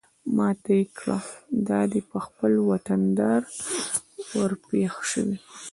ما ته يې کړه دا دى په خپل وطندار ورپېښ شوې.